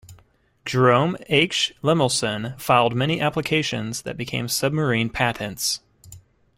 Jerome H. Lemelson filed many applications that became submarine patents.